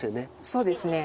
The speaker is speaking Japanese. そうですね。